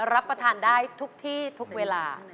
รับประทานได้ทุกที่ทุกเวลา